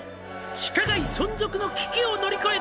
「地下街存続の危機を乗り越えた」